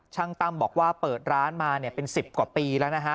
ตั้มบอกว่าเปิดร้านมาเป็น๑๐กว่าปีแล้วนะฮะ